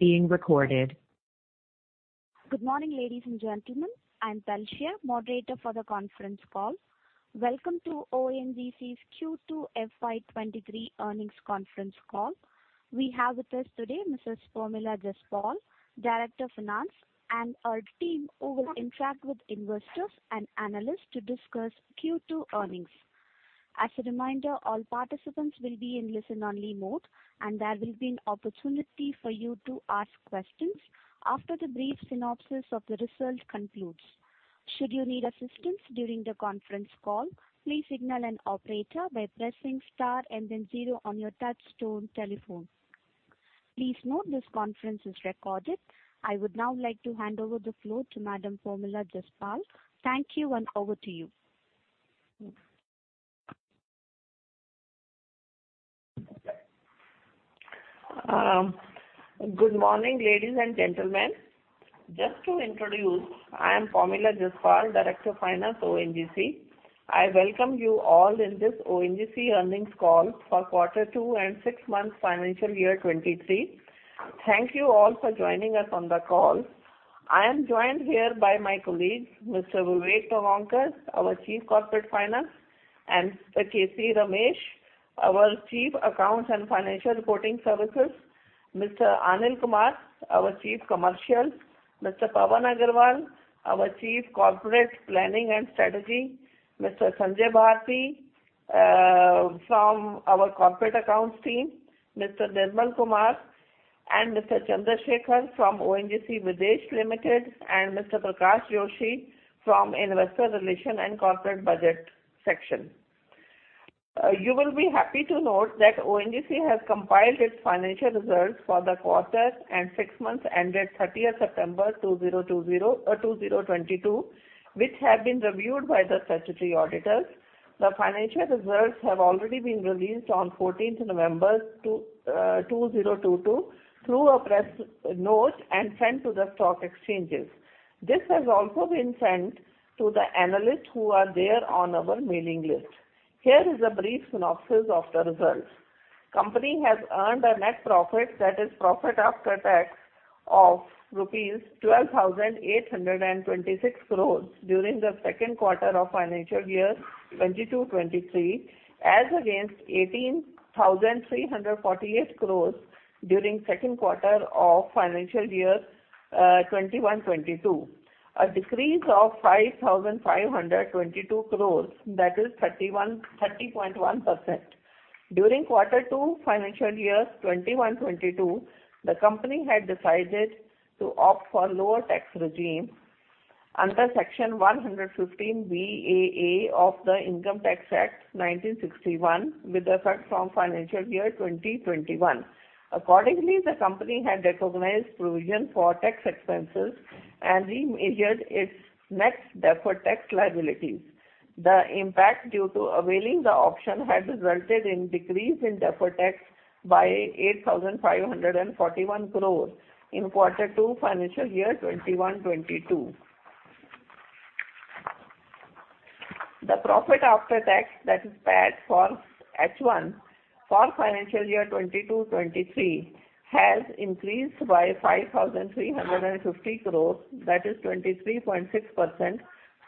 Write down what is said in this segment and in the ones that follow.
Good morning, ladies and gentlemen. I'm Palsheya, moderator for the conference call. Welcome to ONGC's Q2 FY2023 earnings conference call. We have with us today Mrs. Pomila Jaspal, Director Finance, and her team, who will interact with investors and analysts to discuss Q2 earnings. As a reminder, all participants will be in listen-only mode, and there will be an opportunity for you to ask questions after the brief synopsis of the results concludes. Should you need assistance during the conference call, please signal an operator by pressing star and then zero on your touchtone telephone. Please note this conference is recorded. I would now like to hand over the floor to Madam Pomila Jaspal. Thank you, and over to you. Good morning, ladies and gentlemen. Just to introduce, I am Pomila Jaspal, Director Finance, ONGC. I welcome you all in this ONGC earnings call for quarter 2 and six months financial year 2023. Thank you all for joining us on the call. I am joined here by my colleagues, Mr. Vivek Tongaonkar, our Chief Corporate Finance, and Mr. K.C. Ramesh, our Chief Accounts and Financial Reporting Services, Mr. Anil Kumar, our Chief Commercial, Mr. Pavan Aggarwal, our Chief Corporate Planning and Strategy, Mr. Sanjay Bharti from our Corporate Accounts team, Mr. Nirmal Kumar and Mr. Chandrashekhar from ONGC Videsh Limited, and Mr. Prakash Joshi from Investor Relations and Corporate Budget section. You will be happy to note that ONGC has compiled its financial results for the quarter and six months ended September 30, 2022, which have been reviewed by the statutory auditors. The financial results have already been released on November 14, 2022 through a press note and sent to the stock exchanges. This has also been sent to the analysts who are there on our mailing list. Here is a brief synopsis of the results. Company has earned a net profit that is profit after tax of rupees 12,826 crores during the second quarter of financial year 2022-23, as against 18,348 crores during second quarter of financial year 2021-2022. A decrease of 5,522 crore, that is 30.1%. During quarter two financial year 2021, 2022, the company had decided to opt for lower tax regime under Section 115BAA of the Income Tax Act, 1961, with effect from financial year 2021. Accordingly, the company had recognized provision for tax expenses and remeasured its net deferred tax liabilities. The impact due to availing the option had resulted in decrease in deferred tax by 8,541 crore in quarter two financial year 2021, 2022. The profit after tax that is paid for H1 for financial year 2022-23 has increased by 5,350 crores, that is 23.6%,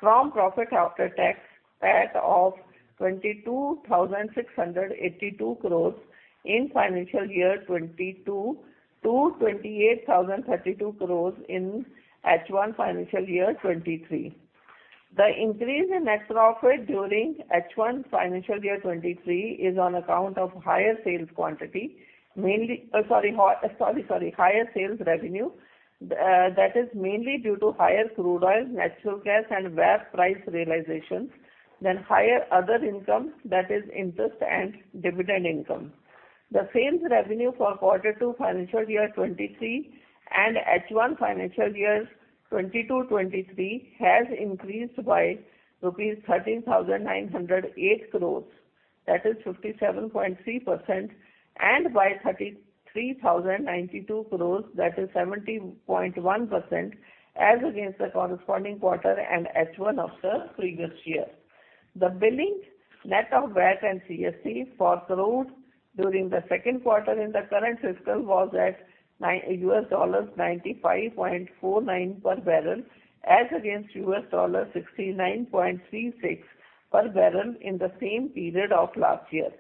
from profit after tax paid of 22,682 crores in financial year 2022 to 28,032 crores in H1 financial year 2023. The increase in net profit during H1 financial year 2023 is on account of higher sales revenue, that is mainly due to higher crude oil, natural gas and gas price realizations, then higher other income, that is interest and dividend income. The sales revenue for quarter two financial year 2023 and H1 financial year 2022-2023 has increased by rupees 13,908 crores, that is 57.3%, and by 33,092 crores, that is 70.1%, as against the corresponding quarter and H1 of the previous year. The billing net of VAT and CST for crude during the second quarter in the current fiscal was at $95.49 per barrel, as against $69.36 per barrel in the same period of last year.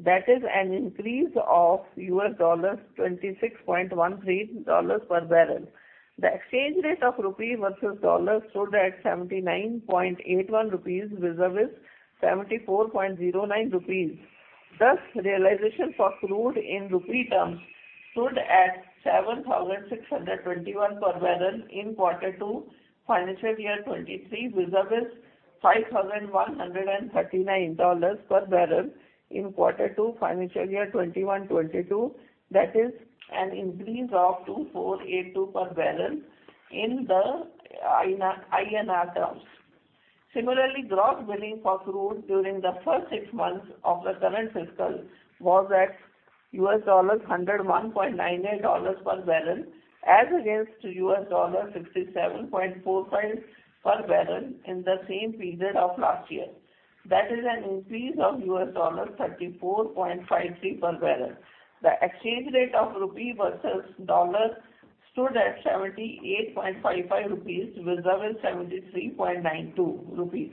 That is an increase of $26.13 per barrel. The exchange rate of rupee versus dollar stood at 79.81 rupees vis-à-vis 74.09 rupees. Thus, realization for crude in rupee terms stood at 7,621 per barrel in quarter two financial year 2023, vis-à-vis 5,139 rupees per barrel in quarter two financial year 2021-22. That is an increase of 2,482 per barrel in INR terms. Similarly, gross billing for crude during the first six months of the current fiscal was at $101.98 per barrel. As against $67.45 per barrel in the same period of last year. That is an increase of $34.53 per barrel. The exchange rate of rupee versus dollar stood at 78.55 rupees vis-à-vis 73.92 rupees.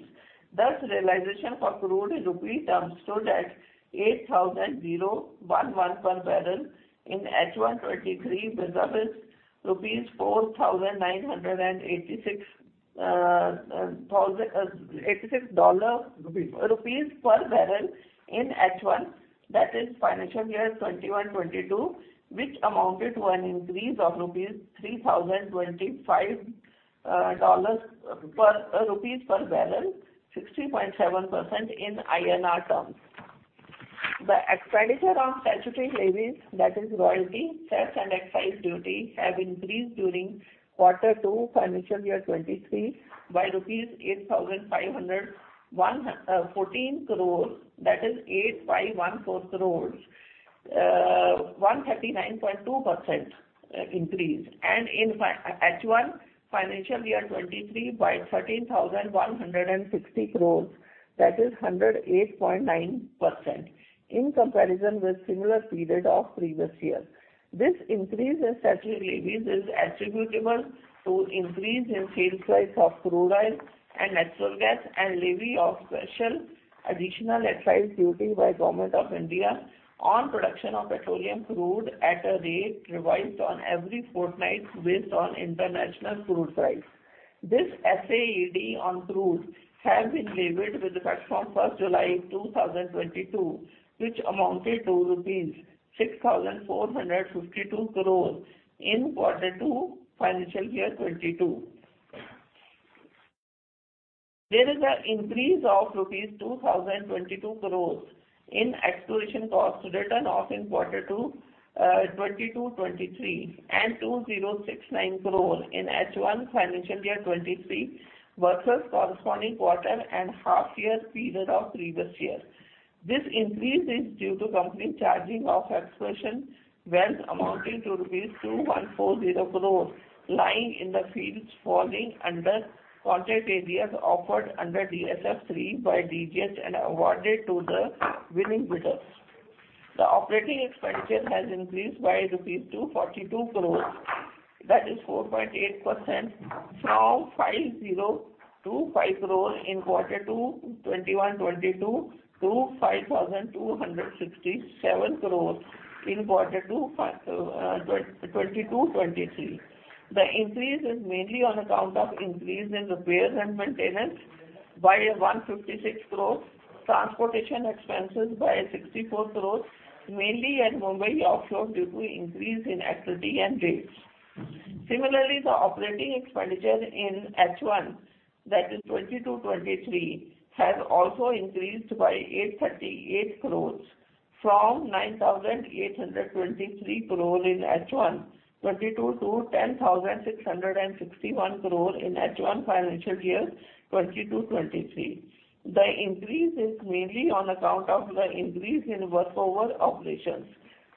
Thus, realization for crude in rupee terms stood at 8,011 per barrel in H1 2023 vis-à-vis INR 4,986. Rupees. Rupees per barrel in H1, that is financial year 2021-2022, which amounted to an increase of 3,025 rupees per barrel, 60.7% in INR terms. The expenditure on statutory levies, that is royalty, cess and excise duty, have increased during quarter two financial year 2023 by rupees 8,514 crores, that is 8,514 crores, 139.2% increase. In H1 financial year 2023 by 13,160 crores, that is 108.9% in comparison with similar period of previous year. This increase in statutory levies is attributable to increase in sales price of crude oil and natural gas and levy of special additional excise duty by Government of India on production of petroleum crude at a rate revised on every fortnight based on international crude price. This SAED on crude has been levied with effect from July 1st, 2022, which amounted to rupees 6,452 crores in quarter 2 financial year 2022. There is an increase of rupees 2,022 crores in exploration costs written off in quarter 2, 2022-23, and 2,069 crore in H1 financial year 2023 versus corresponding quarter and half year period of previous year. This increase is due to company charging off exploration wells amounting to rupees 2140 crores lying in the fields falling under contract areas offered under DSF III by DGH and awarded to the winning bidders. The operating expenditure has increased by rupees 242 crores, that is 4.8%, from 5025 crores in quarter two 2021-2022 to 5267 crores in quarter two 2022-2023. The increase is mainly on account of increase in repairs and maintenance by 156 crores, transportation expenses by 64 crores, mainly at Mumbai offshore due to increase in activity and rates. Similarly, the operating expenditure in H1, that is 2022-2023, has also increased by 838 crores from 9823 crore in H1 2022 to 10,661 crore in H1 financial year 2022-2023. The increase is mainly on account of the increase in work over operations,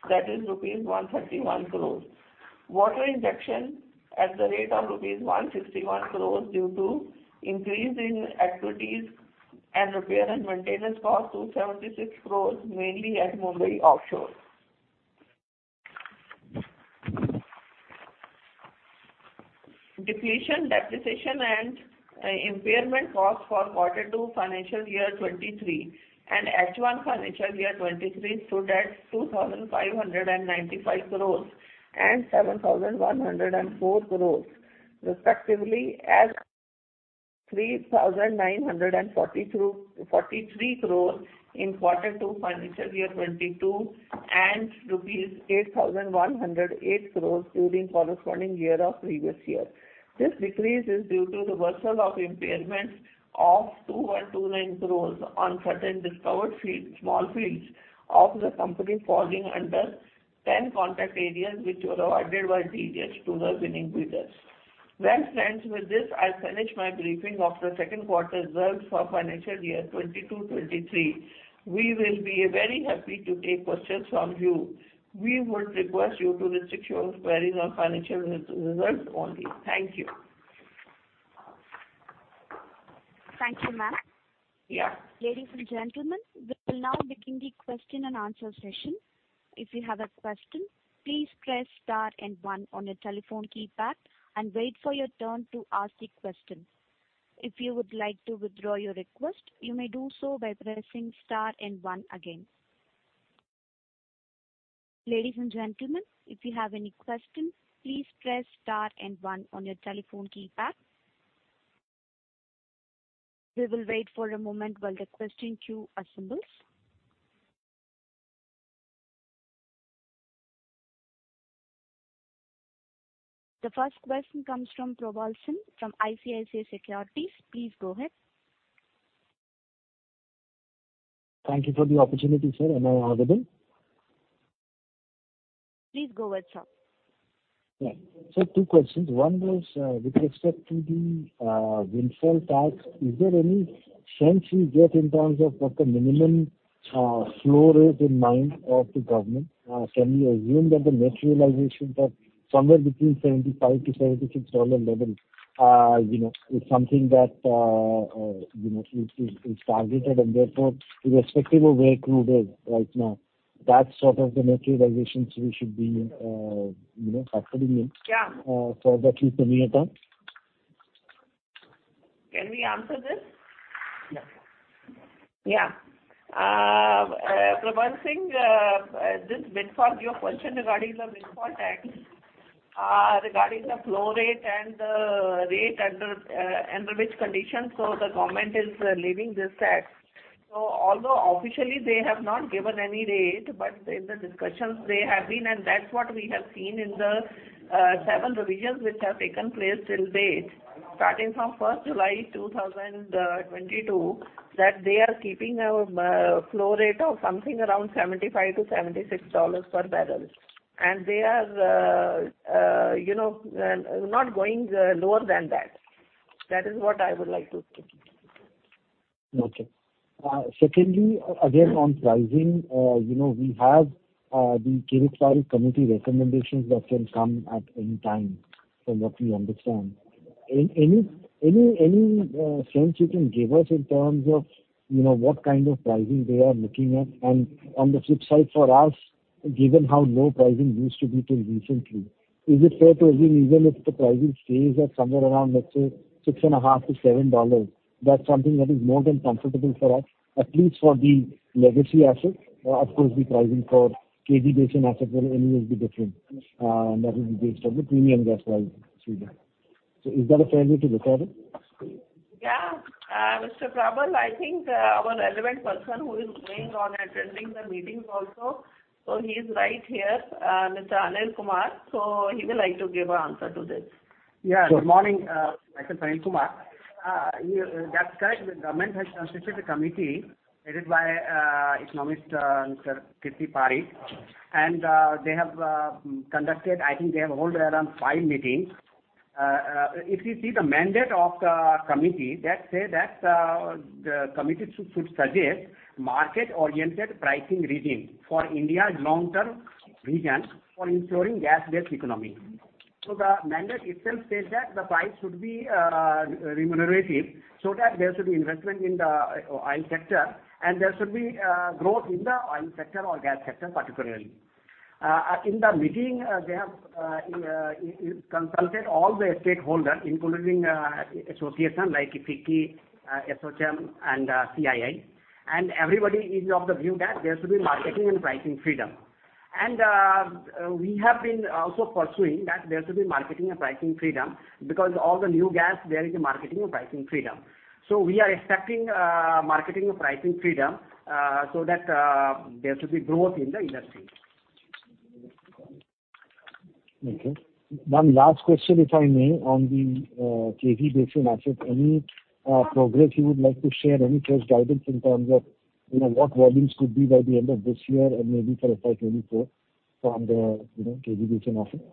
that is rupees 131 crores. Water injection at the rate of rupees 161 crores due to increase in activities and repair and maintenance cost to 76 crores mainly at Mumbai offshore. Depletion, depreciation, and impairment cost for quarter two financial year 2023 and H1 financial year 2023 stood at 2,595 crores and 7,104 crores, respectively, as 3,943 crores in quarter two financial year 2022 and rupees 8,108 crores during corresponding year of previous year. This decrease is due to reversal of impairment of 2,129 crores on certain discovered small fields of the company falling under 10 contract areas which were awarded by DGH to the winning bidders. Well, friends, with this I finish my briefing of the second quarter results for financial year 2022-2023. We will be very happy to take questions from you. We would request you to restrict your queries on financial results only. Thank you. Thank you, ma'am. Yeah. Ladies and gentlemen, we will now begin the question and answer session. If you have a question, please press star and one on your telephone keypad and wait for your turn to ask the question. If you would like to withdraw your request, you may do so by pressing star and one again. Ladies and gentlemen, if you have any question, please press star and one on your telephone keypad. We will wait for a moment while the question queue assembles. The first question comes from Probal Sen from ICICI Securities. Please go ahead. Thank you for the opportunity, sir. Am I audible? Please go ahead, sir. Yeah. Two questions. One was, with respect to the, windfall tax, is there any sense you get in terms of what the minimum, floor rate in mind of the government? Can we assume that the net realization for somewhere between $75-$76 level, you know, is something that, you know, is targeted, and therefore irrespective of where crude is right now, that's sort of the net realization so we should be, you know, factoring in. Yeah. for at least the near term. Can we answer this? Yeah. Probal Sen, this windfall tax—your question regarding the windfall tax, regarding the floor rate and the rate under which conditions, the government is levying this tax. Although officially they have not given any date, but in the discussions they have been, and that's what we have seen in the seven revisions which have taken place till date, starting from July 1, 2022, that they are keeping a floor rate of something around $75-$76 per barrel. They are, you know, not going lower than that. That is what I would like to say. Okay. Secondly, again on pricing, you know, we have the Kirit Parikh Committee recommendations that can come at any time, from what we understand. Any sense you can give us in terms of, you know, what kind of pricing they are looking at? And on the flip side for us, given how low pricing used to be till recently, is it fair to assume even if the pricing stays at somewhere around, let's say $6.5-$7, that's something that is more than comfortable for us, at least for the legacy assets? Of course, the pricing for KG Basin assets will anyways be different, that will be based on the premium gas price through that. Is that a fair way to look at it? Yeah. Mr. Probal, I think, our relevant person who is going on attending the meetings also, so he's right here, Mr. Anil Kumar. He will like to give an answer to this. Good morning, myself Mr. Anil Kumar. That's correct. The government has constituted a committee headed by economist Mr. Kirit Parikh, and they have conducted. I think they have hold around five meetings. If you see the mandate of the committee that say that the committee should suggest market-oriented pricing regime for India's long-term regime for ensuring gas-based economy. The mandate itself says that the price should be remunerative so that there should be investment in the oil sector and there should be growth in the oil sector or gas sector particularly. In the meeting they have consulted all the stakeholder, including association like FICCI, ASSOCHAM and CII, and everybody is of the view that there should be marketing and pricing freedom. We have been also pursuing that there should be marketing and pricing freedom because all the new gas there is a marketing and pricing freedom. We are expecting marketing and pricing freedom so that there should be growth in the industry. Okay. One last question, if I may, on the KG Basin assets. Any progress you would like to share? Any first guidance in terms of, you know, what volumes could be by the end of this year and maybe for FY 2024 from the, you know, KG Basin assets?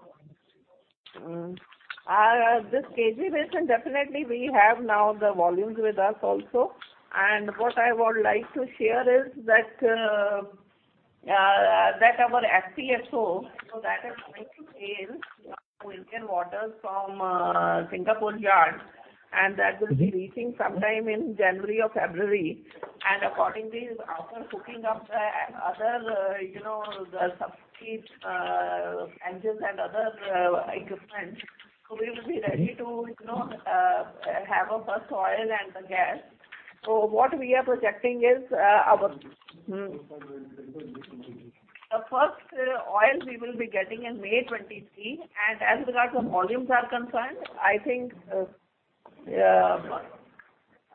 This KG Basin, definitely we have now the volumes with us also. What I would like to share is that our FPSO, so that is going to sail with Indian waters from Singapore yard, and that will be reaching sometime in January or February. Accordingly, after hooking up the other, you know, the subsea engines and other equipment, so we will be ready to, you know, have a first oil and the gas. What we are projecting is, the first oil we will be getting in May 2023. As regards the volumes are concerned, I think, yeah,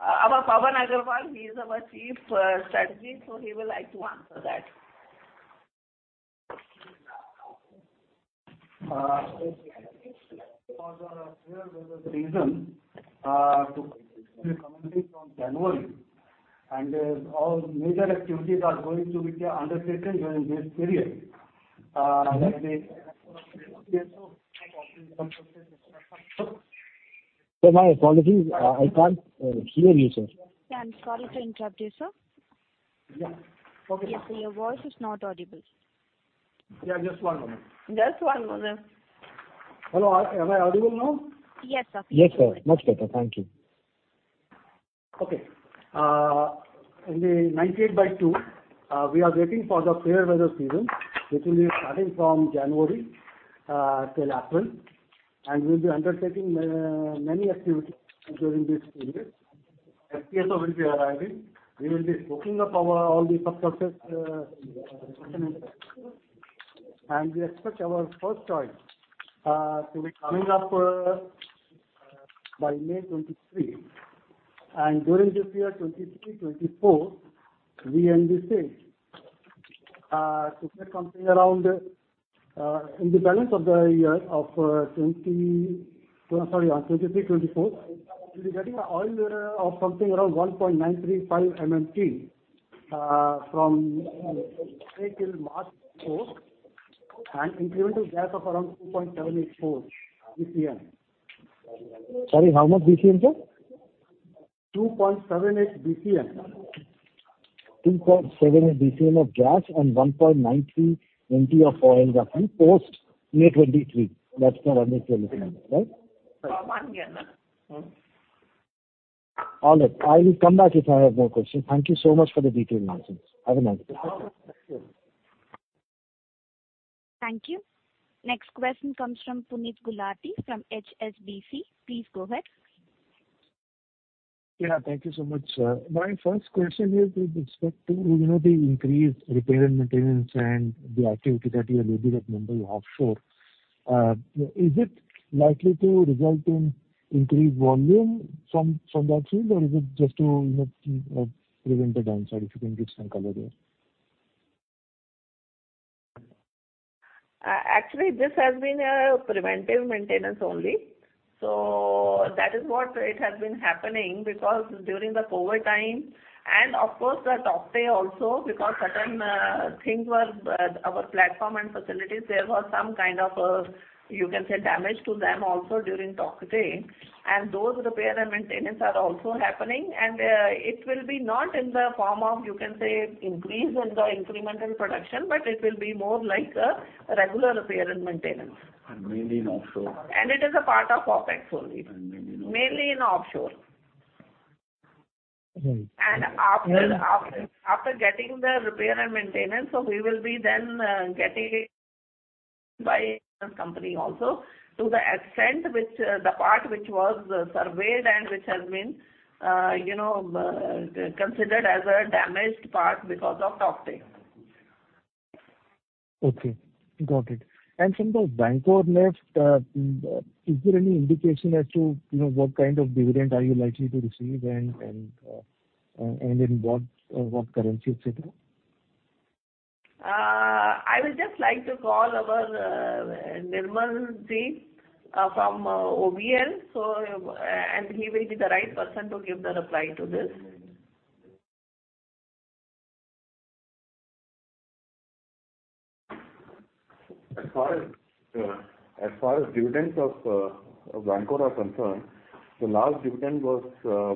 our Pavan Aggarwal, he is our Chief Strategist, so he will like to answer that. For the fair weather season from January, all major activities are going to be undertaken during this period. Like the Sir, my apologies. I can't hear you, sir. Yeah, I'm sorry to interrupt you, sir. Yeah. Okay. Yes, your voice is not audible. Yeah, just one moment. Just one moment. Hello. Am I audible now? Yes, sir. Yes, sir. Much better. Thank you. Okay. In the 98/2, we are waiting for the fair weather season, which will be starting from January till April, and we'll be undertaking many activities during this period. FPSO will be arriving. We will be hooking up our all the subsurface, and we expect our first oil to be coming up by May 2023. During this year, 2023, 2024, we anticipate To get something around in the balance of the year of 2023-24. We'll be getting oil of something around 1.935 MMT from April till March 2024. Incremental gas of around 2.784 BCM. Sorry, how much BCM, sir? 2.78 BCM. 2.78 BCM of gas and 1.93 MT of oil roughly, post May 2023. That's what I'm looking at, right? Yeah. All right. I will come back if I have more questions. Thank you so much for the detailed answers. Have a nice day. Thank you. Thank you. Next question comes from Puneet Gulati from HSBC. Please go ahead. Yeah, thank you so much. My first question is with respect to, you know, the increased repair and maintenance and the activity that you are building up now offshore. Is it likely to result in increased volume from that field? Or is it just to, you know, prevent the downside, if you can give some color there. Actually, this has been a preventive maintenance only. That is what it has been happening, because during the COVID time, and of course, the Tauktae also, because certain things were our platform and facilities, there was some kind of a, you can say, damage to them also during Tauktae. Those repair and maintenance are also happening. It will be not in the form of, you can say, increase in the incremental production, but it will be more like a regular repair and maintenance. Mainly in offshore. It is a part of OpEx only. Mainly in offshore. Mainly in offshore. Mm-hmm. After getting the repair and maintenance, so we will be then getting by company also to the extent which the part which was surveyed and which has been you know considered as a damaged part because of Tauktae. Okay, got it. From the Vankorneft, is there any indication as to, you know, what kind of dividend are you likely to receive and in what currency, et cetera? I would just like to call our Nirmal Ji from OVL, and he will be the right person to give the reply to this. As far as dividends of Vankor are concerned, the last dividend was,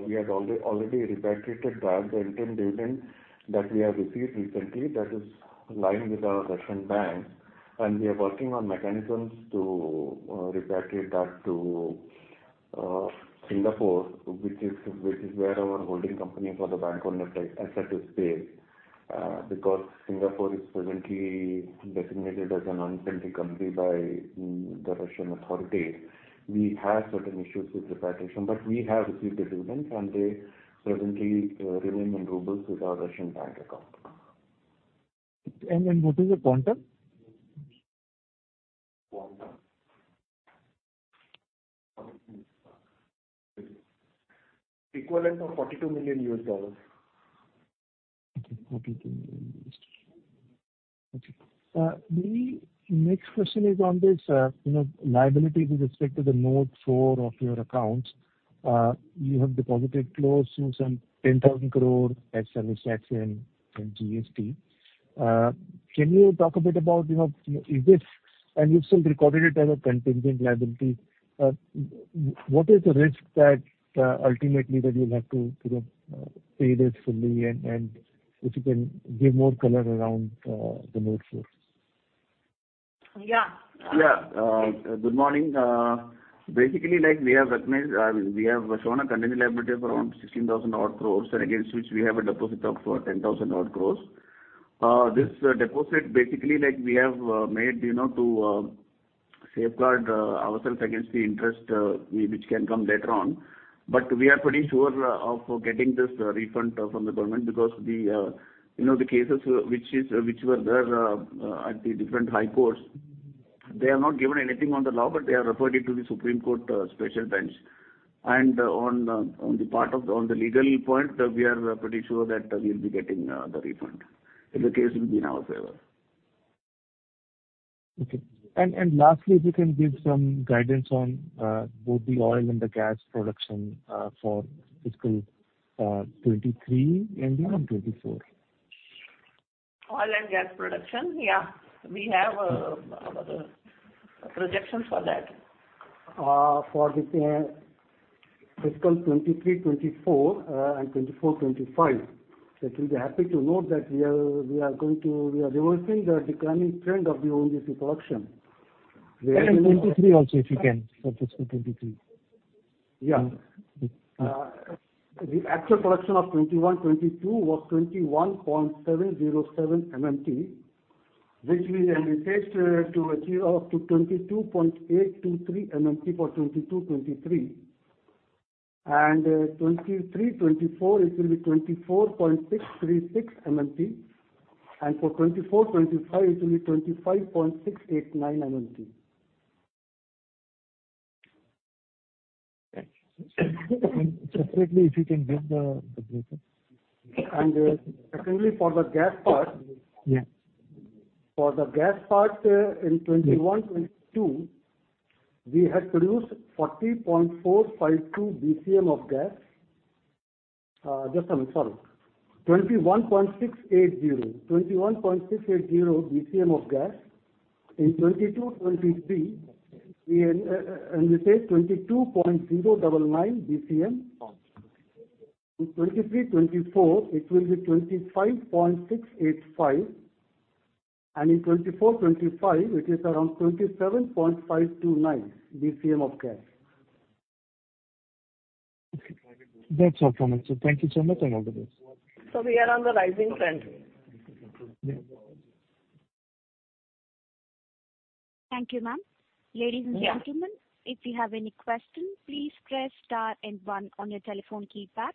we had already repatriated that, the interim dividend that we have received recently that is lying with our Russian bank. We are working on mechanisms to repatriate that to Singapore, which is where our holding company for the Vankor network asset is based. Because Singapore is presently designated as an unfriendly country by the Russian authorities. We have certain issues with repatriation, but we have received the dividends, and they presently remain in rubles with our Russian bank account. What is the quantum? Quantum. Equivalent of $42 million. Okay, $42 million. Okay. The next question is on this, you know, liability with respect to the Note 4 of your accounts. You have deposited close to some 10,000 crore excise tax and GST. Can you talk a bit about, you know, this? You've still recorded it as a contingent liability. What is the risk that ultimately that you'll have to, you know, pay this fully and if you can give more color around the Note 4? Yeah. Yeah. Good morning. Basically, like we have recognized, we have shown a contingent liability of around 16,000 crore, and against which we have a deposit of 10,000 crore. This deposit basically like we have made, you know, to safeguard ourselves against the interest which can come later on. We are pretty sure of getting this refund from the government because the, you know, the cases which were there at the different high courts, they have not given anything on the law, but they are referred to the Supreme Court special bench. On the legal point, we are pretty sure that we will be getting the refund, and the case will be in our favor. Okay. Lastly, if you can give some guidance on both the oil and the gas production for fiscal 2023 ending on 2024? Oil and gas production? Yeah. We have our projections for that. For the fiscal 2023-2024 and 2024-2025. We'll be happy to note that we are reversing the declining trend of the OMP production. In 2023 also, if you can, for fiscal 2023. Yeah. The actual production of 2021-2022 was 21.707 MMT, which we anticipate to achieve up to 22.823 MMT for 2022-2023. 2023-2024, it will be 24.636 MMT. For 2024-2025, it will be 25.689 MMT. Separately, if you can give the breakup? Actually for the gas part. Yeah. For the gas part, in 2021-2022, we had produced 40.452 BCM of gas. Just a minute. Sorry. 21.680 BCM of gas. In 2022-2023, and we said 22.09 BCM. In 2023-2024, it will be 25.685. In 2024-2025, it is around 27.529 BCM of gas. Okay. That's all from us. Thank you so much, and all the best. We are on the rising trend. Yeah. Thank you, ma'am. Ladies and gentlemen, if you have any questions, please press star and one on your telephone keypad.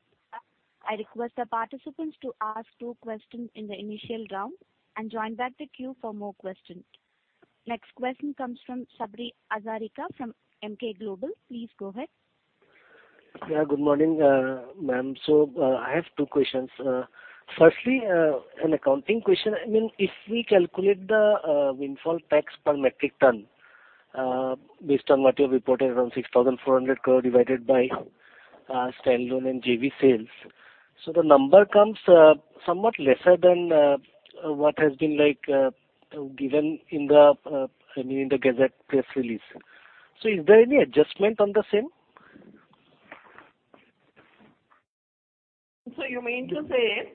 I request the participants to ask two questions in the initial round and join back the queue for more questions. Next question comes from Sabri Hazarika from Emkay Global. Please go ahead. Yeah, good morning, ma'am. I have two questions. Firstly, an accounting question. I mean, if we calculate the windfall tax per metric ton based on what you have reported around 6,400 crore divided by standalone and JV sales. The number comes somewhat lesser than what has been, like, given in the, I mean, in the gazette press release. Is there any adjustment on the same? You mean to say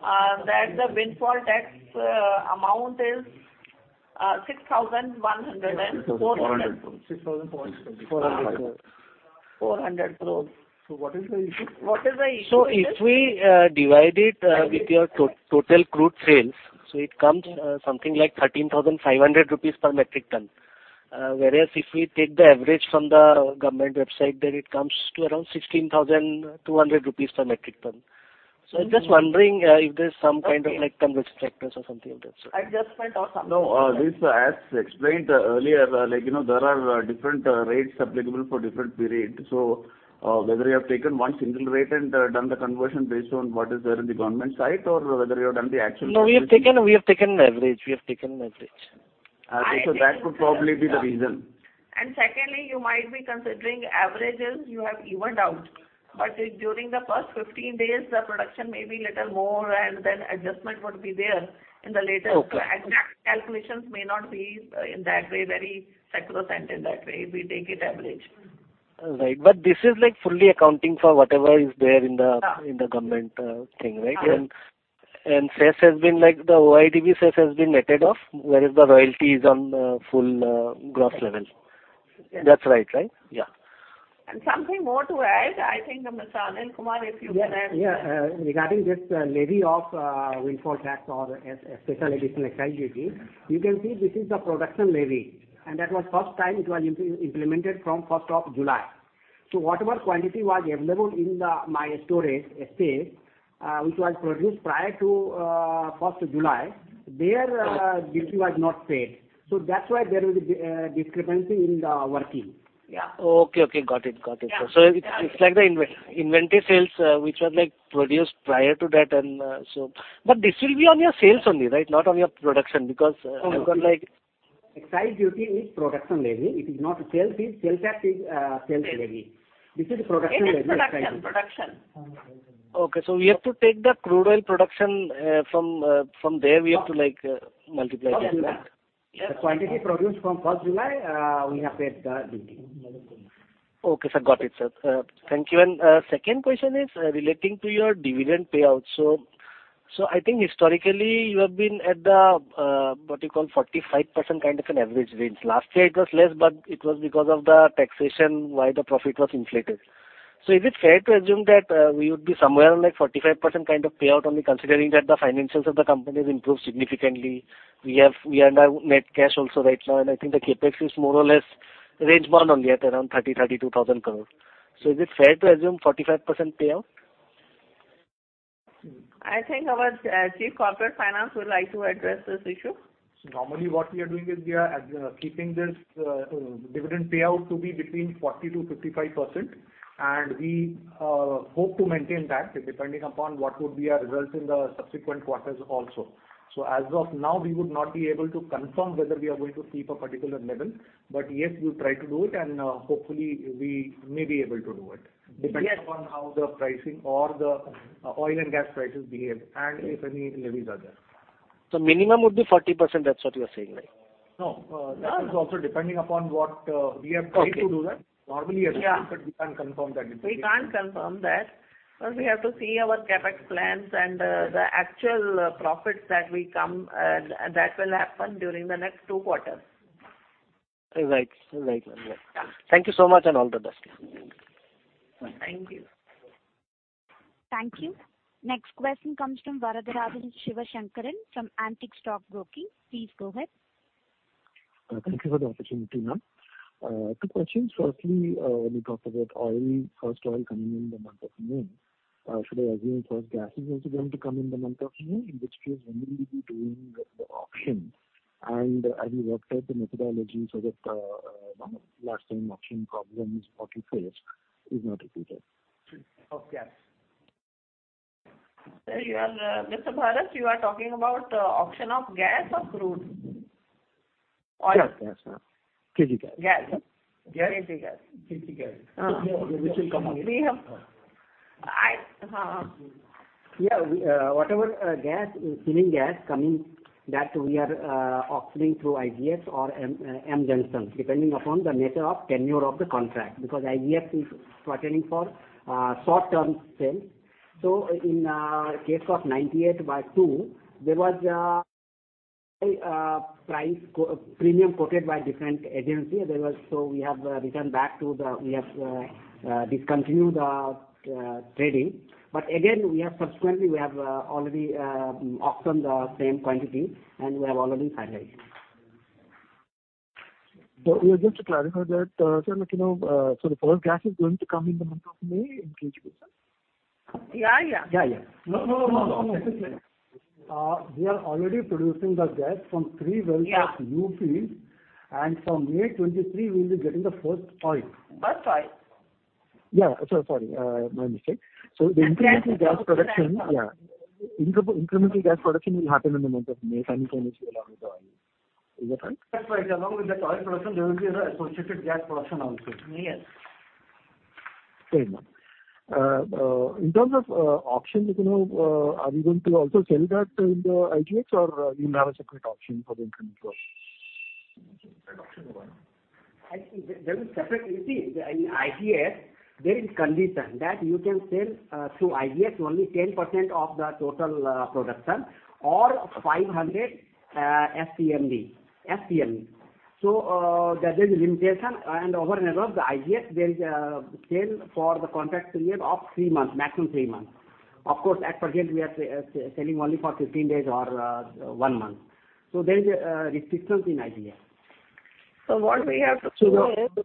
that the windfall tax amount is 6,104? 400 crores. 6,400 crores. 400 crore. INR 400 crores. What is the issue? What is the issue? If we divide it with your total crude sales, so it comes something like 13,500 rupees per metric ton. Whereas if we take the average from the government website, then it comes to around 16,200 rupees per metric ton. I'm just wondering if there's some kind of, like, conversion factors or something of that sort? Adjustment or something. No, this, as explained earlier, like, you know, there are different rates applicable for different periods. Whether you have taken one single rate and done the conversion based on what is there in the government site or whether you have done the actual- No, we have taken average. We have taken average. I think- That could probably be the reason. Secondly, you might be considering averages you have evened out. If during the first 15 days the production may be little more and then adjustment would be there in the later. Okay. Exact calculations may not be in that way very cycle-centric that way. We take it average. Right. This is, like, fully accounting for whatever is there in the- Yeah. In the government thing, right? Uh-huh. Cess has been, like the OID cess has been netted off, whereas the royalty is on the full, gross level. Yes. That's right? Yeah. Something more to add, I think, Mr. Anil Kumar, if you can add. Yeah. Regarding this levy of windfall tax or special additional excise duty, you can see this is a production levy. That was first time it was implemented from first of July. Whatever quantity was available in my storage space, which was produced prior to first of July, there duty was not paid. That's why there is a discrepancy in the working. Yeah. Okay. Got it. Yeah. It's like the inventory sales, which was like produced prior to that and so. This will be on your sales only, right? Not on your production. Because you got like- Excise duty is production levy. It is not sales. Sales tax is sales levy. Sales. This is production levy, not sales levy. It is production. We have to take the crude oil production from there. We have to, like, multiply that. From July. The quantity produced from first July, we have paid the duty. Okay, sir. Got it, sir. Thank you. Second question is relating to your dividend payout. I think historically you have been at the what you call 45% kind of an average range. Last year it was less, but it was because of the taxation why the profit was inflated. Is it fair to assume that we would be somewhere on like 45% kind of payout only considering that the financials of the company has improved significantly? We are under net cash also right now, and I think the CapEx is more or less range bound only at around 30,000-32,000 crores. Is it fair to assume 45% payout? I think our Chief Corporate Finance would like to address this issue. Normally what we are doing is we are keeping this dividend payout to be between 40%-55%, and we hope to maintain that depending upon what would be our results in the subsequent quarters also. As of now, we would not be able to confirm whether we are going to keep a particular level. Yes, we'll try to do it, and hopefully we may be able to do it. Yes. Depends upon how the pricing or the oil and gas prices behave and if any levies are there. Minimum would be 40%. That's what you are saying, right? No. No. That is also depending upon what, we have tried to do that. Okay. Normally, yes. Yeah. We can't confirm that it will be. We can't confirm that. First we have to see our CapEx plans and, the actual, profits that will come, that will happen during the next two quarters. Right. Yeah. Thank you so much, and all the best. Thank you. Thank you. Next question comes from Varatharajan Sivasankaran from Antique Stock Broking. Please go ahead. Thank you for the opportunity, ma'am. Two questions. Firstly, when you talk about oil, first oil coming in the month of June. Should I assume first gas is also going to come in the month of May, in which case when will you be doing the auction, and have you worked out the methodology so that last time auction problem is what you faced is not repeated. Of gas. Sir, you are Mr. Bharti, you are talking about auction of gas or crude? Gas. Gas. GG gas. GG gas. Uh. Which will come up. We have Whatever gas is available gas coming that we are auctioning through IGX or mjunction, depending upon the nature of tenure of the contract. Because IGX is pertaining for short-term sales. In case of 98 by 2, there was a premium quoted by different agency. We have returned back to the. We have discontinued the trading. Again, we have subsequently already auctioned the same quantity and we have already finalized it. We are going to clarify that, sir, like, you know, so the first gas is going to come in the month of May in KG Basin? Yeah, yeah. Yeah, yeah. No, no, no. Let me explain. We are already producing the gas from three wells of new fields, and from May 2023 we will be getting the first oil. First oil. Sorry, my mistake. The incremental gas production- That's right. Yeah. Incremental gas production will happen in the month of May, simultaneously along with the oil. Is that right? That's right. Along with the oil production, there will be the associated gas production also. Yes. Very much. In terms of auction, like, you know, are you going to also sell that in the IGX or you have a separate auction for the incremental? Separate auction for what? I think there is separate. You see, in IGX there is condition that you can sell through IGX only 10% of the total production or 500 SPMB. There's a limitation and over and above the IGX, there is a sale for the contract period of three months, maximum three months. Of course, at present we are selling only for 15 days or one month. There is restrictions in IGX. What we have to do is,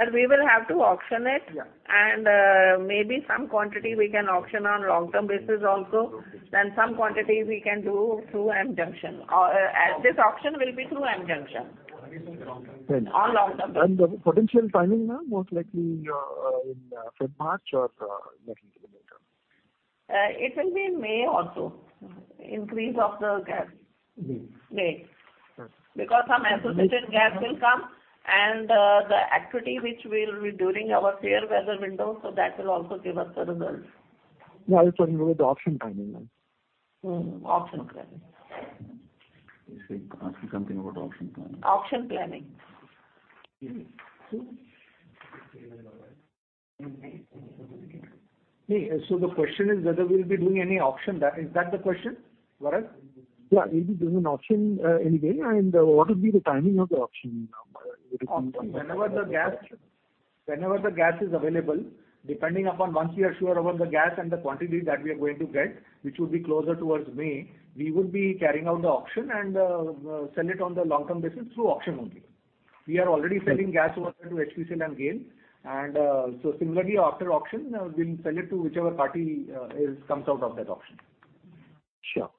and we will have to auction it. Yeah. Maybe some quantity we can auction on long-term basis also, then some quantity we can do through mjunction. Or, as this auction will be through mjunction. I guess it's long term. On long term. The potential timing, ma'am, most likely in mid-March or little bit later? It will be in May or so. Increase of the gas. May. May. Okay. Because some associated gas will come and the activity which will be during our fair weather window, so that will also give us the results. No, I was talking about the auction timing, ma'am. Auction planning. He's asking something about auction planning. Auction planning. The question is whether we'll be doing any auction. Is that the question, Varath? Yeah. Will you be doing auction, anyway? What would be the timing of the auction, ma'am? Auction, whenever the gas is available, depending upon once we are sure about the gas and the quantity that we are going to get, which would be closer towards May, we would be carrying out the auction and sell it on the long-term basis through auction only. We are already selling gas over there to HPCL and GAIL. So similarly after auction, we'll sell it to whichever party comes out of that auction. Sure.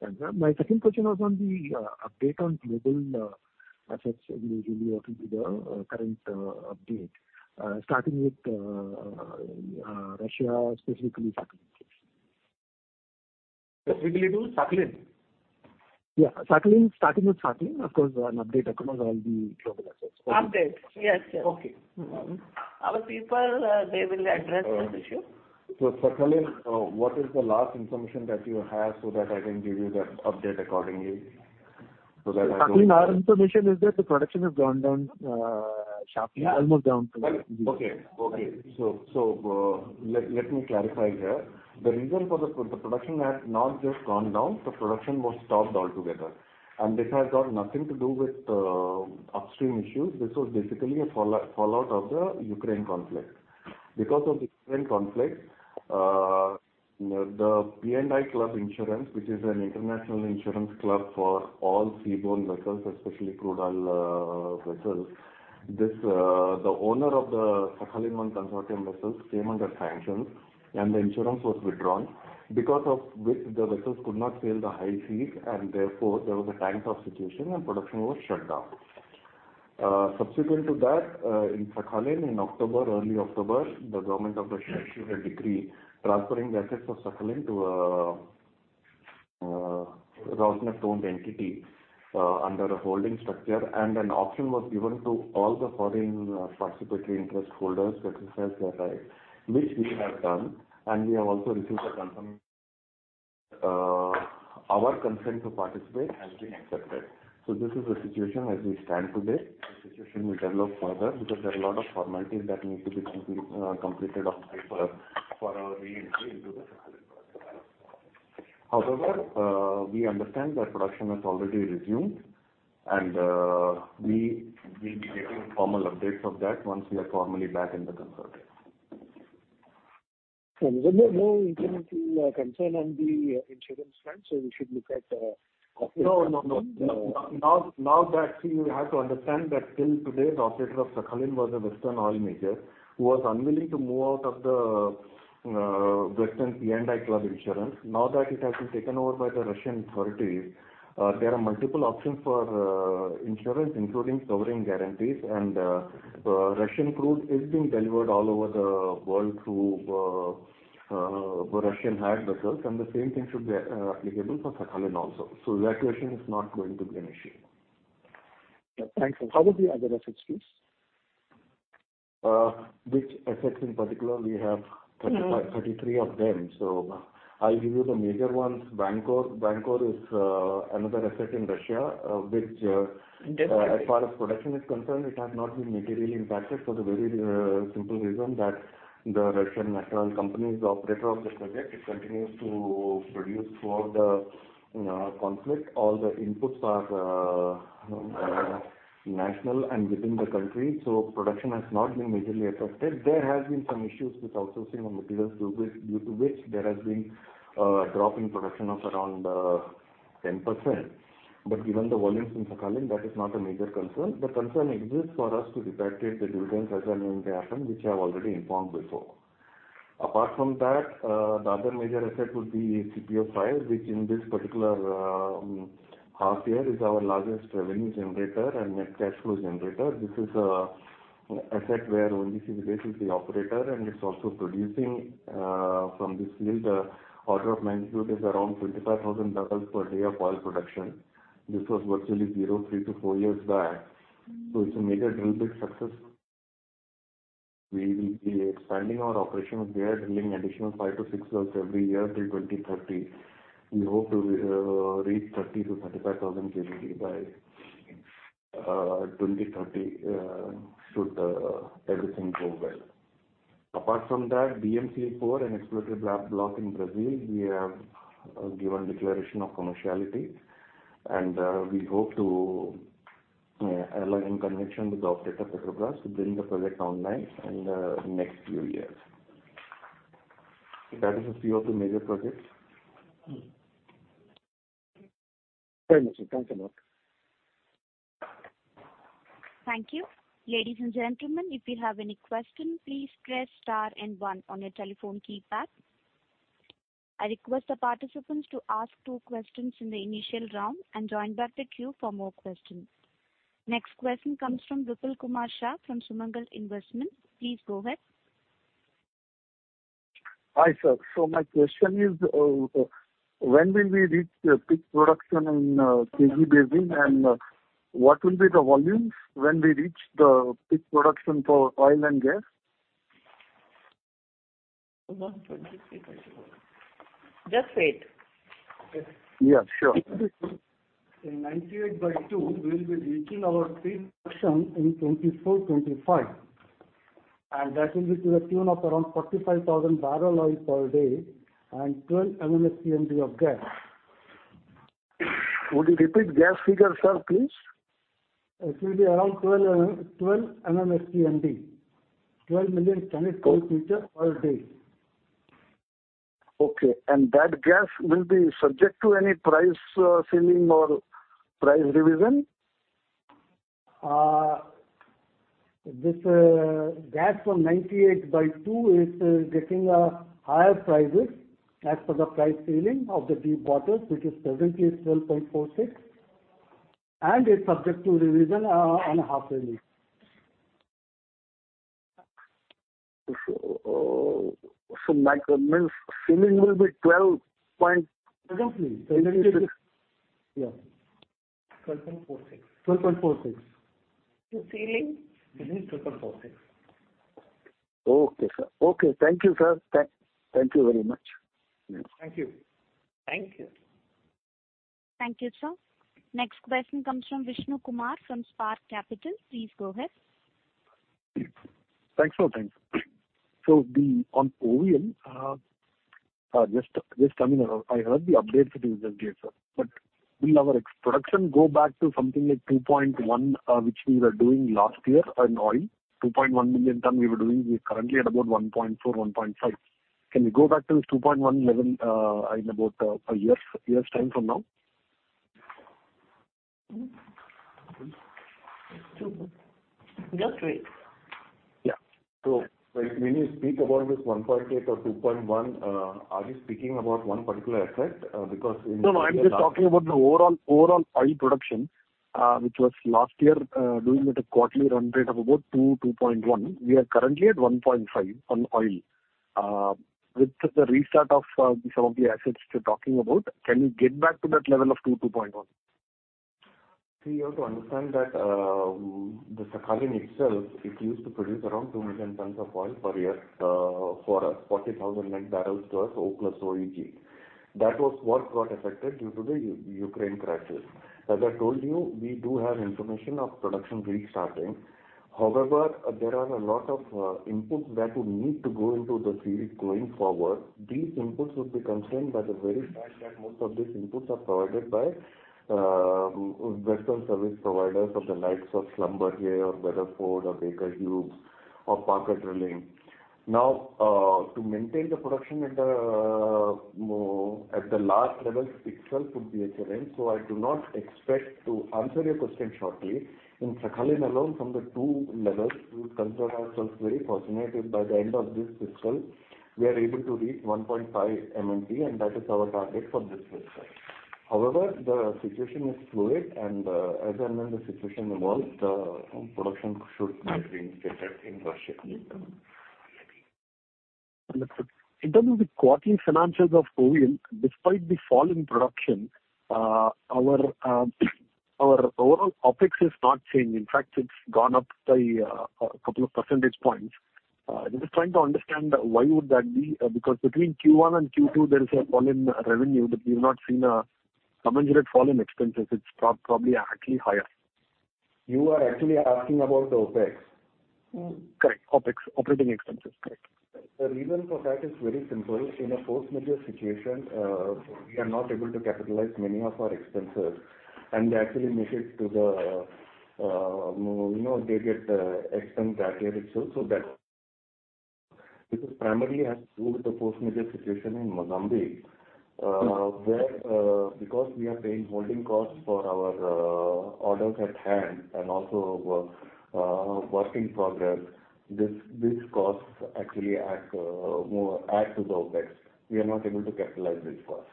Thanks, ma'am. My second question was on the update on global assets. Usually, what will be the current update starting with Russia, specifically Sakhalin case? Specifically to Sakhalin? Yeah, Sakhalin. Starting with Sakhalin, of course, an update across all the global assets. Update. Yes, yes. Okay. Our people, they will address this issue. Sakhalin, what is the last information that you have so that I can give you the update accordingly? That I don't- Sakhalin, our information is that the production has gone down sharply, almost down to. Okay. Let me clarify here. The production has not just gone down, the production was stopped altogether. This has got nothing to do with upstream issues. This was basically a fallout of the Ukraine conflict. Because of the Ukraine conflict, the P&I club insurance, which is an international insurance club for all seaborne vessels, especially crude oil vessels. The owner of the Sakhalin-1 consortium vessels came under sanctions, and the insurance was withdrawn. Because of which the vessels could not sail the high seas and therefore there was a tanker situation and production was shut down. Subsequent to that, in Sakhalin in early October, the Government of Russia issued a decree transferring the assets of Sakhalin to a Rosneft-owned entity under a holding structure. An option was given to all the foreign participatory interest holders to exercise their rights, which we have done. We have also received a confirmation, our consent to participate has been accepted. This is the situation as we stand today. The situation will develop further because there are a lot of formalities that need to be completed on paper for our reentry into the Sakhalin project. However, we understand that production has already resumed and we will be getting formal updates of that once we are formally back in the consortium. Is there no incremental concern on the insurance front, so we should look at operator? No. Now that you have to understand that till today, the operator of Sakhalin was a Western oil major who was unwilling to move out of the Western P&I Club insurance. Now that it has been taken over by the Russian authorities, there are multiple options for insurance, including covering guarantees. Russian crude is being delivered all over the world through Russian-hired vessels, and the same thing should be applicable for Sakhalin also. That question is not going to be an issue. Yeah. Thanks. How about the other assets, please? Which assets in particular? We have 35- Mm-hmm. 33 of them. I'll give you the major ones. Vankor is another asset in Russia, which Definitely. As far as production is concerned, it has not been materially impacted for the very simple reason that the Russian national companies, the operator of this project, it continues to produce throughout the conflict. All the inputs are national and within the country, so production has not been majorly affected. There has been some issues with outsourcing of materials due to which there has been a drop in production of around 10%. Given the volumes in Sakhalin, that is not a major concern. The concern exists for us to repatriate the dividends as and when they happen, which I have already informed before. Apart from that, the other major asset would be CPO-5, which in this particular half year is our largest revenue generator and net cash flow generator. This is asset where ONGC Videsh is the operator, and it's also producing from this field. The order of magnitude is around 25,000 barrels per day of oil production. This was virtually zero 3-4 years back. It's a major drill bit success. We will be expanding our operations there, drilling additional 5-6 wells every year till 2030. We hope to reach 30,000-35,000 BOPD by 2030, should everything go well. Apart from that, BM-C-30 and exploratory block in Brazil, we have given declaration of commerciality, and we hope to align connection with the operator, Petrobras, to bring the project online in the next few years. That is a few of the major projects. Very much. Thanks a lot. Thank you. Ladies and gentlemen, if you have any question, please press star and one on your telephone keypad. I request the participants to ask two questions in the initial round and join back the queue for more questions. Next question comes from Vipul Kumar Shah from Sumangal Investment. Please go ahead. Hi, sir. My question is, when will we reach the peak production in KG Basin, and what will be the volumes when we reach the peak production for oil and gas? Hold on for just a minute. Just wait. Yes, sure. In 98 by 2, we will be reaching our peak production in 2024, 2025, and that will be to the tune of around 45,000 barrels of oil per day and 12 MMSCMD of gas. Would you repeat gas figures, sir, please? It will be around 12 MM, 12 MMSCMD. 12 million standard cubic meters per day. Okay. That gas will be subject to any price ceiling or price revision? This gas from 98 by 2 is getting higher prices as per the price ceiling of the deep waters, which is presently 12.46, and it's subject to revision on a half-yearly. Like, that means ceiling will be 12 point- Presently 6. Yeah. 12.46. 12.46. The ceiling? Ceiling is 12.46. Okay, sir. Okay. Thank you, sir. Thank you very much. Thank you. Thank you. Thank you, sir. Next question comes from Vishnu Kumar from Spark Capital. Please go ahead. Thanks for that. On OVL, just coming, I heard the update that you just gave, sir. Will our production go back to something like 2.1, which we were doing last year in oil, 2.1 million ton we were doing. We're currently at about 1.4-1.5. Can we go back to this 2.1 level, in about a year's time from now? Just wait. Yeah. Like, when you speak about this 1.8 or 2.1, are you speaking about one particular asset? Because in- No, no, I'm just talking about the overall oil production, which was last year doing at a quarterly run rate of about 2.1. We are currently at 1.5 on oil. With the restart of some of the assets you're talking about, can we get back to that level of 2.1? See, you have to understand that, the Sakhalin itself, it used to produce around 2 million tons of oil per year, for 40,000 net barrels to us, O+OEG. That was what got affected due to the Ukraine crisis. As I told you, we do have information of production restarting. However, there are a lot of inputs that would need to go into the field going forward. These inputs would be constrained by the very fact that most of these inputs are provided by Western service providers of the likes of Schlumberger or Weatherford or Baker Hughes or Parker Drilling. Now, to maintain the production at the large levels itself would be a challenge, so I do not expect to answer your question shortly. In Sakhalin alone, from the two levels, we consider ourselves very fortunate if by the end of this fiscal we are able to reach 1.5 MMT, and that is our target for this fiscal. However, the situation is fluid and, as and when the situation evolves, the production should start being shifted in Vankorneft. Understood. In terms of the quarterly financials of OVL, despite the fall in production, our overall OpEx has not changed. In fact, it's gone up by a couple of percentage points. I'm just trying to understand why would that be, because between Q1 and Q2 there is a fall in revenue, but we've not seen a commensurate fall in expenses. It's probably actually higher. You are actually asking about the OpEx? Correct. OpEx, operating expenses. Correct. The reason for that is very simple. In a force majeure situation, we are not able to capitalize many of our expenses, and they actually, you know, get expensed that year itself. This primarily has to do with the force majeure situation in Mozambique. Mm-hmm. Because we are paying holding costs for our orders at hand and also work in progress, this cost actually adds more to the OpEx. We are not able to capitalize this cost.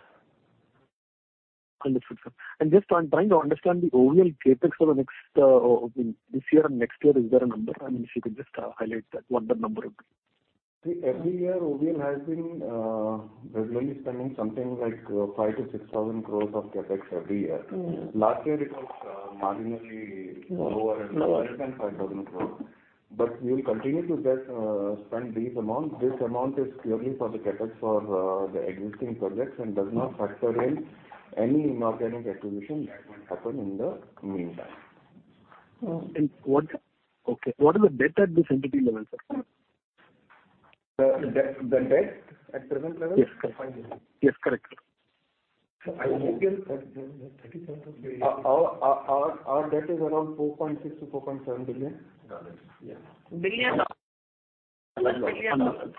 Understood, sir. Just, I'm trying to understand the OVL CapEx for the next, I mean, this year and next year. Is there a number? I mean, if you could just highlight that, what that number would be? See, every year OVL has been regularly spending something like 5,000-6,000 crore of CapEx every year. Mm-hmm. Last year it was marginally lower and less than 5,000 crore. We will continue to just spend these amounts. This amount is purely for the CapEx for the existing projects and does not factor in any inorganic acquisition that might happen in the meantime. What is the debt at this entity level, sir? The debt at present level? Yes. Four point- Yes. Correct. OVL, $30 billion. Our debt is around $4.6 billion-$4.7 billion. Billions or millions? Millions. Millions.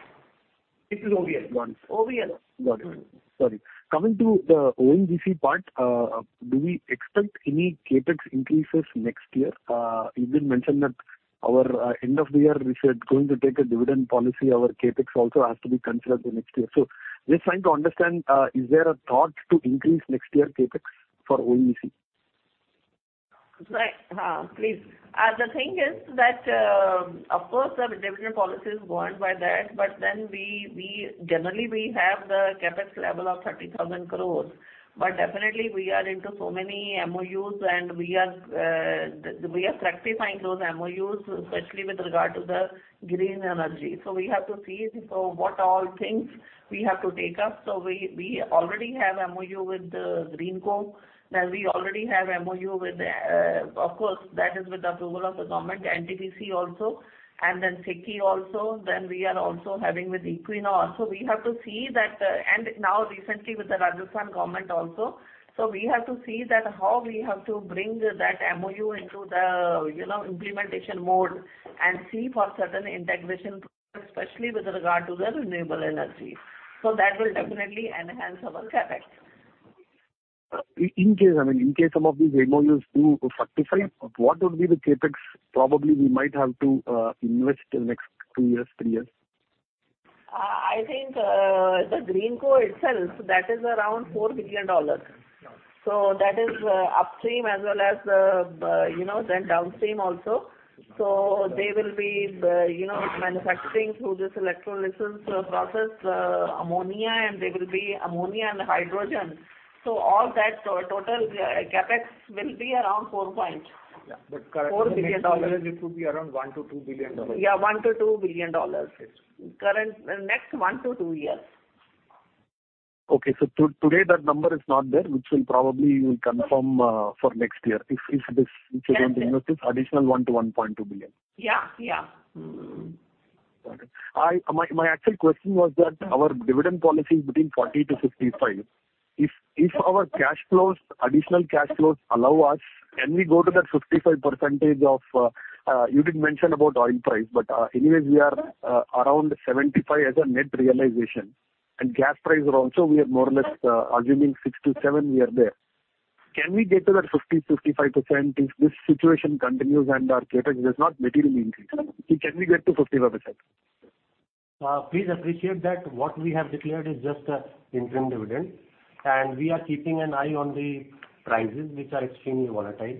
This is OVL. OVL. Got it. Sorry. Coming to the ONGC part, do we expect any CapEx increases next year? You did mention that our end of the year, we said going to take a dividend policy. Our CapEx also has to be considered for next year. Just trying to understand, is there a thought to increase next year CapEx for ONGC? The thing is that, of course, the dividend policy is governed by that, but then we generally have the CapEx level of 30,000 crore. Definitely we are into so many MoUs and we are fructifying those MoUs, especially with regard to the green energy. We have to see so what all things we have to take up. We already have MoU with Greenko. We already have MoU with, of course that is with the approval of the government, NTPC also, and then SECI also. We are also having with Equinor. We have to see that. Now recently with the Rajasthan government also. We have to see that how we have to bring that MoU into the, you know, implementation mode and see for certain integration, especially with regard to the renewable energy. That will definitely enhance our CapEx. In case, I mean, some of these MOUs do fructify, what would be the CapEx probably we might have to invest in next two years, three years? I think, the Greenko itself, that is around $4 billion. That is, upstream as well as the, you know, then downstream also. They will be, you know, manufacturing through this electrolysis, process, ammonia and there will be ammonia and hydrogen. All that, total CapEx will be around 4 point- Yeah. $4 billion In the next two years it would be around $1 billion-$2 billion. Yeah, $1 billion-$2 billion. Yes. Current, next 1-2 years. Okay. Today that number is not there, which will probably you'll confirm for next year. If this. Yeah. If you're going to invest this additional 1-1.2 billion. Yeah. Yeah. Got it. My actual question was that our dividend policy is between 40%-55%. If our cash flows, additional cash flows allow us, can we go to that 55%? You did mention about oil price, but anyways we are around $75 as a net realization. Gas prices also we are more or less assuming $6-$7 we are there. Can we get to that 55% if this situation continues and our CapEx does not materially increase? Can we get to 55%? Please appreciate that what we have declared is just an interim dividend, and we are keeping an eye on the prices, which are extremely volatile.